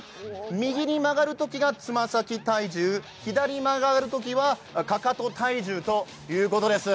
右に曲がるときは爪先体重、左に曲がるときは、かかと体重ということです。